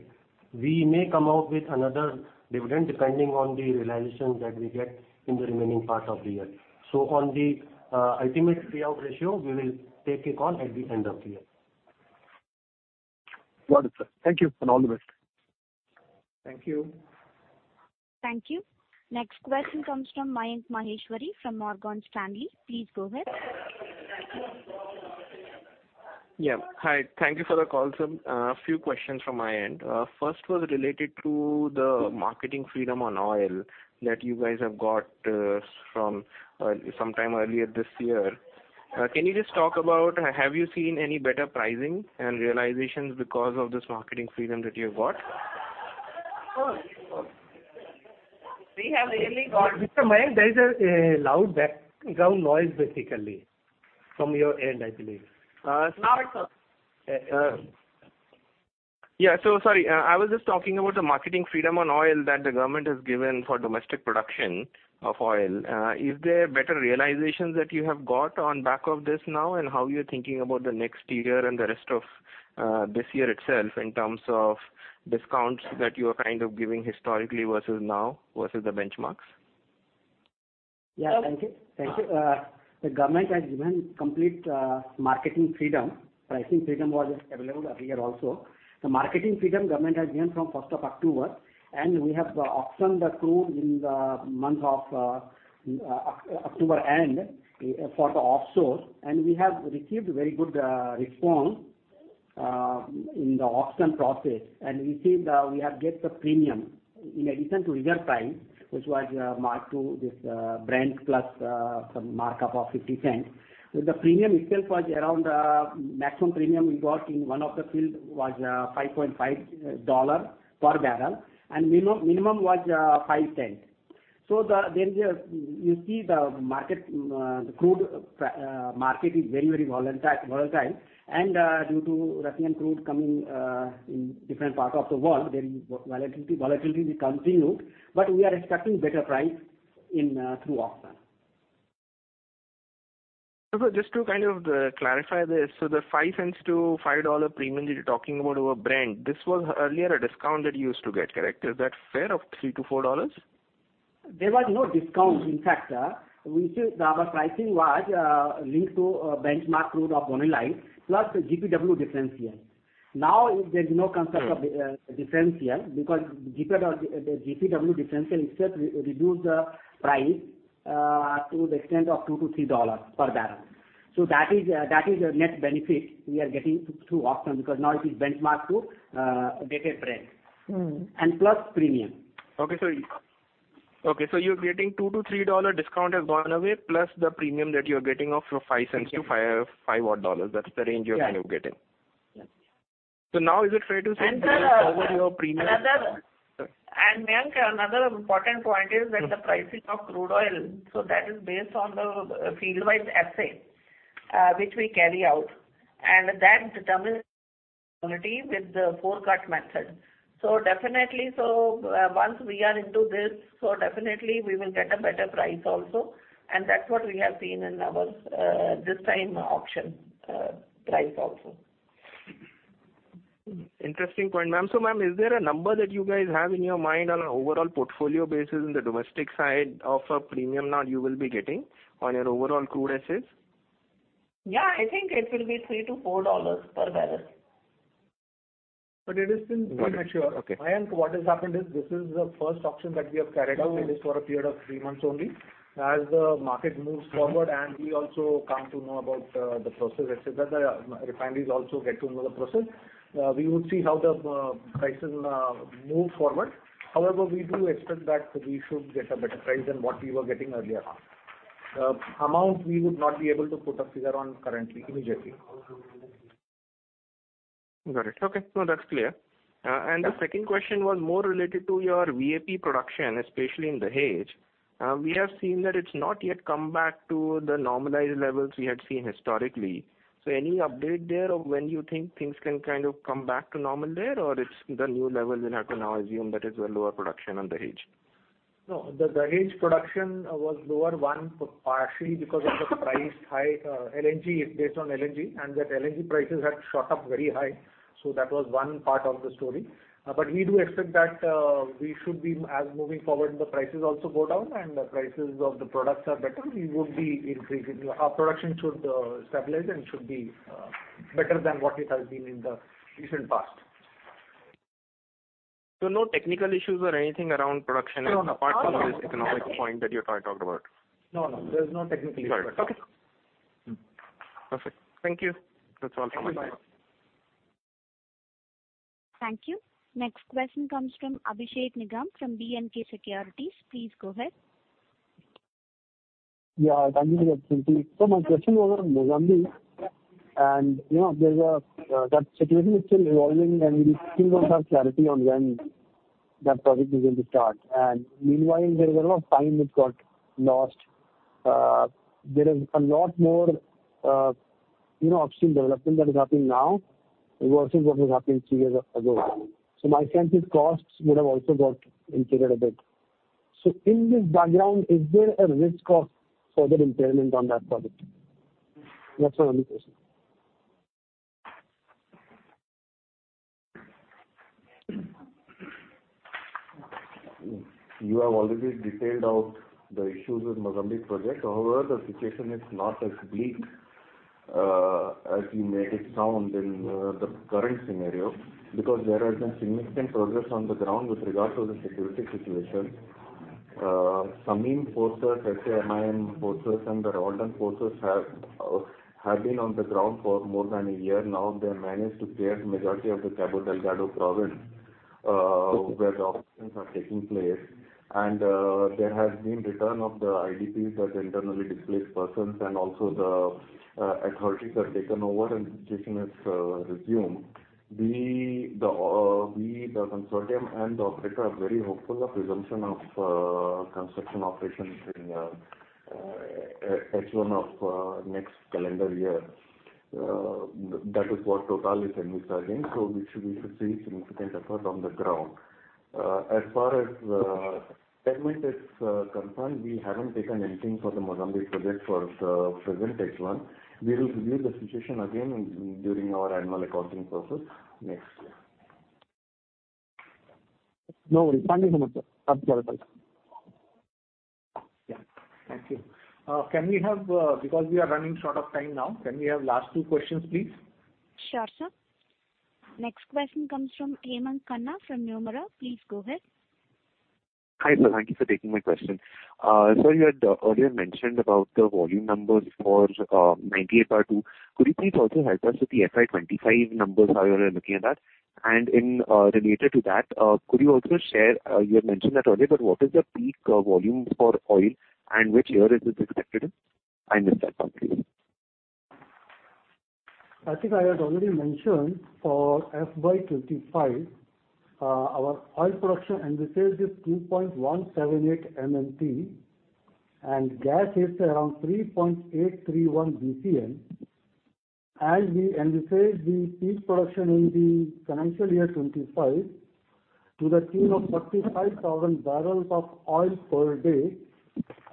We may come out with another dividend depending on the realization that we get in the remaining part of the year. On the ultimate payout ratio, we will take a call at the end of the year. Got it, sir. Thank you and all the best. Thank you. Thank you. Next question comes from Mayank Maheshwari from Morgan Stanley. Please go ahead. Hi. Thank you for the call, sir. A few questions from my end. First was related to the marketing freedom on oil that you guys have got, from sometime earlier this year. Can you just talk about have you seen any better pricing and realizations because of this marketing freedom that you have got? Of course. Mr. Mayank, there is a loud background noise, basically, from your end, I believe. Now it's off. I was just talking about the marketing freedom on oil that the government has given for domestic production of oil. Is there better realizations that you have got on the back of this now, and how you're thinking about the next year and the rest of this year itself in terms of discounts that you are kind of giving historically versus now versus the benchmarks? Yeah. Thank you. Thank you. The government has given complete marketing freedom. Pricing freedom was available every year also. The marketing freedom government has given from first of October, and we have auctioned the crude in the month of October end for the offshore, and we have received very good response in the auction process. We have get the premium in addition to regular price, which was March to this Brent plus some markup of $0.50. The premium itself was around. Maximum premium we got in one of the field was $5.5 per barrel, and minimum was $0.05. You see the market, the crude market is very volatile. Due to Russian crude coming in different part of the world, there is volatility. Volatility will continue. We are expecting better price in through auction. Just to kind of clarify this, so the $0.05-$5 premium that you're talking about over Brent, this was earlier a discount that you used to get, correct? Is that fair, of $3-$4? There was no discount. In fact, we see our pricing was linked to a benchmark crude of Bonny Light plus the GPW differential. Now, there's no concept. Okay. of differential, because GPW differential itself reduces the price to the extent of $2-$3 per barrel. That is the net benefit we are getting through auction, because now it is benchmarked to dated Brent. Mm-hmm. Plus premium. Okay, you're getting $2-$3 discount has gone away, plus the premium that you're getting of $0.05-$5.5 odd dollars. That's the range you're kind of getting. Yeah. Yes. Now, is it fair to say? And the, uh- You will cover your premium? Another- Sorry. Mayank, another important point is that the pricing of crude oil, so that is based on the field-wide assay, which we carry out, and that determines with the forecast method. Definitely, once we are into this, definitely we will get a better price also, and that's what we have seen in our this time auction price also. Interesting point, ma'am. Ma'am, is there a number that you guys have in your mind on an overall portfolio basis in the domestic side of a premium that you will be getting on your overall crude assays? Yeah, I think it will be $3-$4 per barrel. It is still pretty mature. Okay. Mayank, what has happened is this is the first auction that we have carried out, and it's for a period of three months only. As the market moves forward and we also come to know about, the process, et cetera, the refineries also get to know the process, we will see how the prices move forward. However, we do expect that we should get a better price than what we were getting earlier on. The amount we would not be able to put a figure on currently, immediately. Got it. Okay. No, that's clear. The second question was more related to your VAP production, especially in Dahej. We have seen that it's not yet come back to the normalized levels we had seen historically. Any update there of when you think things can kind of come back to normal there, or it's the new level we'll have to now assume that is the lower production on Dahej? No. The Dahej production was lower, one, partially because of the high price, LNG. It's based on LNG, and that LNG prices had shot up very high. That was one part of the story. We do expect that we should be, as moving forward and the prices also go down and the prices of the products are better, we would be increasing. Our production should stabilize and should be better than what it has been in the recent past. No technical issues or anything around production. No, no. Apart from this economic point that you're trying to talk about? No, no. There's no technical issue. Got it. Okay. Perfect. Thank you. That's all from my side. Thank you, bye. Thank you. Next question comes from Abhishek Nigam from B&K Securities. Please go ahead. Yeah, thank you. My question was on Mozambique, and you know, there's a that situation is still evolving, and we still don't have clarity on when that project is going to start. Meanwhile, there is a lot of time which got lost. There is a lot more, you know, upstream development that is happening now versus what was happening three years ago. My sense is costs would have also got integrated a bit. In this background, is there a risk of further impairment on that project? That's my only question. You have already detailed out the issues with Mozambique project. However, the situation is not as bleak as you made it sound in the current scenario because there has been significant progress on the ground with regards to the security situation. SAMIM forces and the Rwandan forces have been on the ground for more than a year now. They have managed to clear the majority of the Cabo Delgado province where the operations are taking place. There has been return of the IDPs, the internally displaced persons, and also the authorities have taken over and situation has resumed. We, the consortium and the operator are very hopeful of resumption of construction operations in H1 of next calendar year. That is what TotalEnergies is envisaging, so we should see significant effort on the ground. As far as segment is concerned, we haven't taken anything for the Mozambique project for the present H1. We will review the situation again during our annual accounting process next year. No worry. Thank you so much, sir. Have a great day. Yeah. Thank you. Because we are running short of time now, can we have last two questions, please? Sure, sir. Next question comes from Hemang Khanna from Nomura. Please go ahead. Hi, sir. Thank you for taking my question. Sir, you had earlier mentioned about the volume numbers for 98 bar two. Could you please also help us with the FY 25 numbers, how you are looking at that? In relation to that, could you also share, you had mentioned that earlier, but what is the peak volume for oil and which year is it expected? I miss that part, please. I think I had already mentioned for FY 2025, our oil production envisage is 2.178 MMT, and gas is around 3.831 BCM, and we envisage the peak production in the financial year 2025 to the tune of 35,000 barrels of oil per day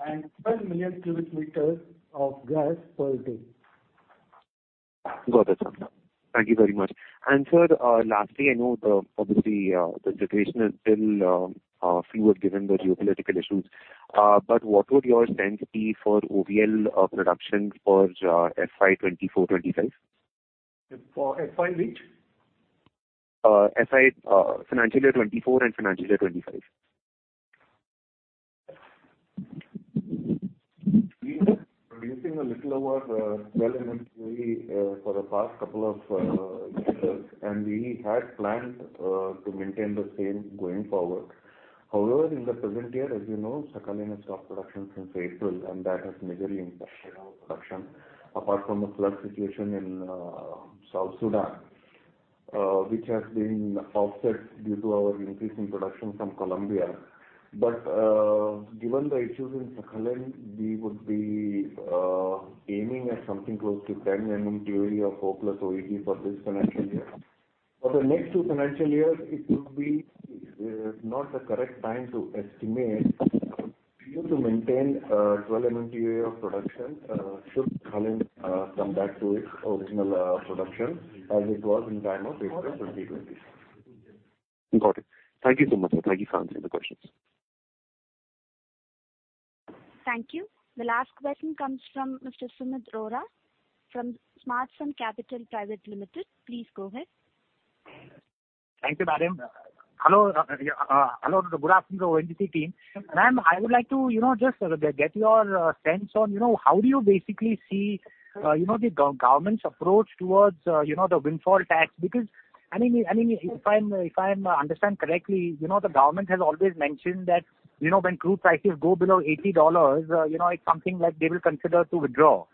and 12 million cubic meters of gas per day. Got it, sir. Thank you very much. Sir, lastly, I know, obviously, the situation is still fluid given the geopolitical issues, but what would your sense be for OVL production for FY 2024-25? For FY which? FY, financial year 2024 and financial year 2025. We were producing a little over 12 MMTOE for the past couple of years, and we had planned to maintain the same going forward. However, in the present year, as you know, Sakhalin has stopped production since April, and that has majorly impacted our production. Apart from the flood situation in South Sudan, which has been offset due to our increase in production from Colombia. Given the issues in Sakhalin, we would be aiming at something close to 10 MMTOE of O+OEG for this financial year. For the next two financial years, it will be not the correct time to estimate. We hope to maintain 12 MMTOE of production should Sakhalin come back to its original production as it was in time of April 2020. Got it. Thank you so much, sir. Thank you for answering the questions. Thank you. The last question comes from Mr. Sumeet Rohra from Smartsun Capital Private Limited. Please go ahead. Thank you, madam. Hello, hello. Good afternoon to ONGC team. Ma'am, I would like to, you know, just, get your, sense on, you know, how do you basically see, you know, the government's approach towards, you know, the windfall tax? Because I mean, if I understand correctly, you know, the government has always mentioned that, you know, when crude prices go below $80, you know, it's something that they will consider to withdraw.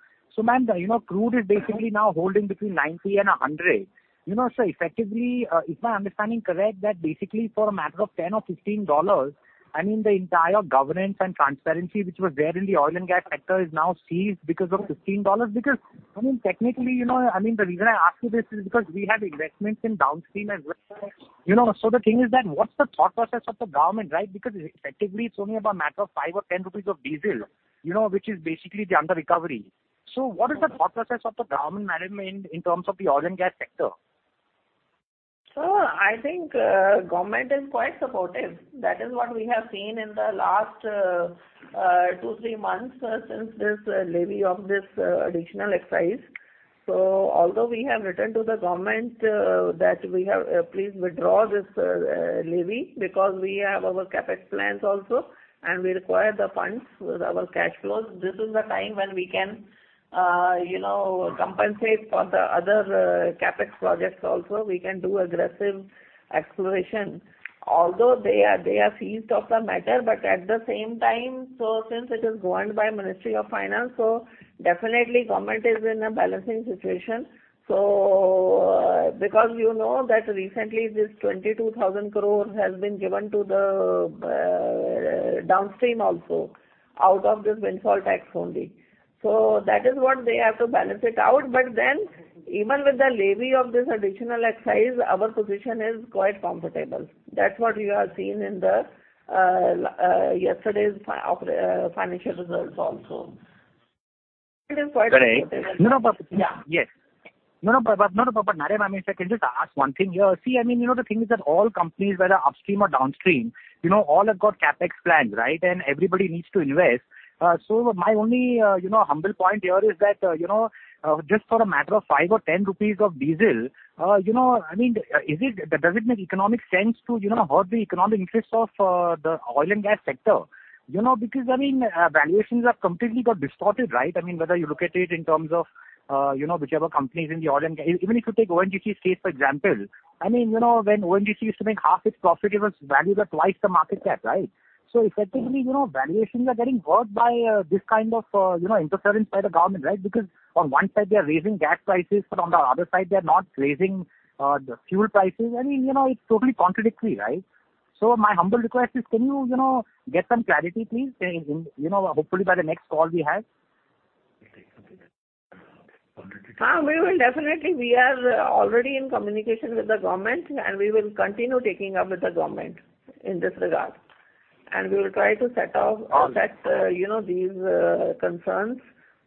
Ma'am, you know, crude is basically now holding between 90 and 100. You know, so effectively, is my understanding correct that basically for a matter of $10 or $15, I mean, the entire governance and transparency which was there in the oil and gas sector is now seized because of $15? I mean, technically, you know, I mean, the reason I ask you this is because we have investments in downstream as well. You know, the thing is that what's the thought process of the government, right? Because effectively, it's only about a matter of 5 or 10 rupees of diesel, you know, which is basically the under recovery. What is the thought process of the government, madam, in terms of the oil and gas sector? I think government is quite supportive. That is what we have seen in the last 2-3 months since this levy of this additional excise. Although we have written to the government that please withdraw this levy because we have our CapEx plans also, and we require the funds with our cash flows. This is the time when we can you know compensate for the other CapEx projects also. We can do aggressive exploration. Although they are seized of the matter, but at the same time since it is governed by Ministry of Finance, definitely government is in a balancing situation. Because you know that recently this 22,000 crore has been given to the downstream also out of this windfall tax only. That is what they have to balance it out. Even with the levy of this additional excise, our position is quite comfortable. That's what you have seen in yesterday's financial results also. It is quite comfortable. Correct. No, but, madam, I mean, if I can just ask one thing here. See, I mean, you know, the thing is that all companies, whether upstream or downstream, you know, all have got CapEx plans, right? Everybody needs to invest. My only, you know, humble point here is that, you know, just for a matter of 5 or 10 rupees of diesel, you know, I mean, does it make economic sense to, you know, hurt the economic interest of the oil and gas sector? You know, because, I mean, valuations have completely got distorted, right? I mean, whether you look at it in terms of, you know, whichever company is in the oil and gas. Even if you take ONGC's case for example, I mean, you know, when ONGC used to make half its profit, it was valued at twice the market cap, right? Effectively, you know, valuations are getting hurt by this kind of, you know, interference by the government, right? Because on one side they are raising gas prices, but on the other side, they are not raising the fuel prices. I mean, you know, it is totally contradictory, right? My humble request is, can you know, get some clarity please? You know, hopefully by the next call we have. We will definitely. We are already in communication with the government, and we will continue taking up with the government in this regard. We will try to set off or set, you know, these concerns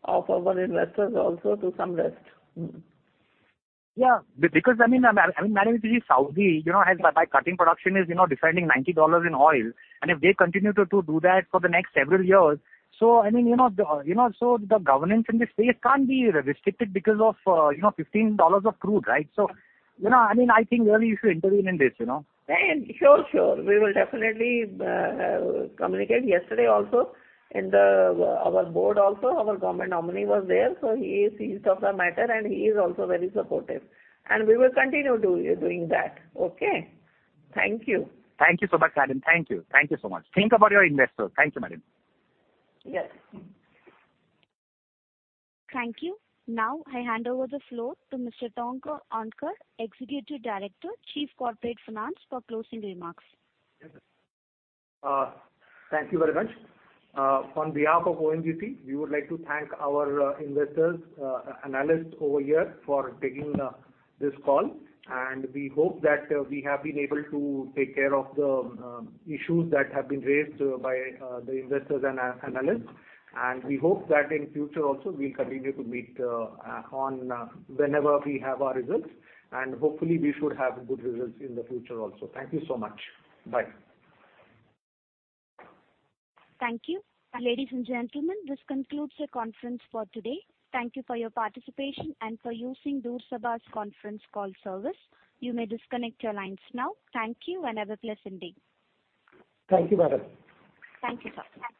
of our investors also to some rest. Yeah. Because, I mean, madam, you see Saudi, you know, has, by cutting production, is, you know, defending $90 in oil. If they continue to do that for the next several years, I mean, you know, the governance in this space can't be restricted because of, you know, $15 of crude, right? You know, I mean, I think really you should intervene in this, you know. Sure. We will definitely communicate. Yesterday also in the our board also, our government nominee was there, so he is seized of the matter, and he is also very supportive. We will continue doing that. Okay. Thank you. Thank you so much, madam. Thank you. Thank you so much. Think about your investors. Thank you, madam. Yes. Mm-hmm. Thank you. Now, I hand over the floor to Mr. Tongaonkar, Executive Director, Chief Corporate Finance for closing remarks. Yes. Thank you very much. On behalf of ONGC, we would like to thank our investors, analysts over here for taking this call. We hope that we have been able to take care of the issues that have been raised by the investors and analysts. We hope that in future also we'll continue to meet on whenever we have our results. Hopefully we should have good results in the future also. Thank you so much. Bye. Thank you. Ladies and gentlemen, this concludes the conference for today. Thank you for your participation and for using Door Sabha's conference call service. You may disconnect your lines now. Thank you, and have a pleasant day. Thank you, madam. Thank you, sir.